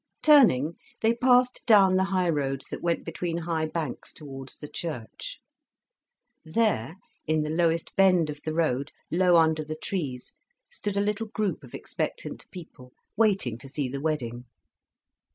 Turning, they passed down the high road, that went between high banks towards the church. There, in the lowest bend of the road, low under the trees, stood a little group of expectant people, waiting to see the wedding.